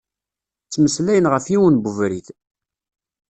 Ttmeslayen ɣef yiwen n ubrid.